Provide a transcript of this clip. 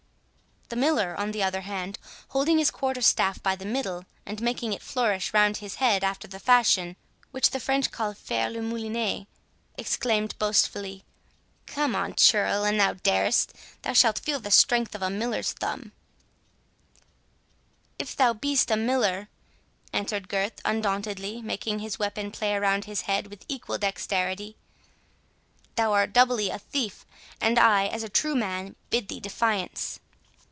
The Miller, on the other hand, holding his quarter staff by the middle, and making it flourish round his head after the fashion which the French call "faire le moulinet", exclaimed boastfully, "Come on, churl, an thou darest: thou shalt feel the strength of a miller's thumb!" "If thou be'st a miller," answered Gurth, undauntedly, making his weapon play around his head with equal dexterity, "thou art doubly a thief, and I, as a true man, bid thee defiance."